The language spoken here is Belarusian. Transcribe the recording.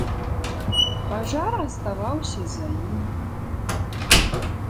Пажар аставаўся за ім.